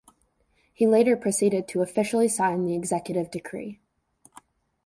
He later proceeded to officially sign the executive decree.